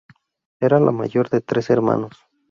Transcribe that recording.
Era la mayor de tres hermanos.